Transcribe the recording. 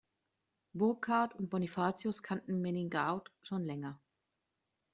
Burkard und Bonifatius kannten Megingaud schon länger.